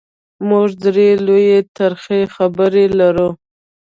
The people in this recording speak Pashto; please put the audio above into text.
موږ درې لویې ترخې خبرې لرو: